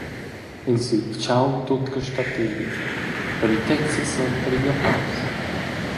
En siu tgau tut che stat eri, la vitezia suenter igl applaus.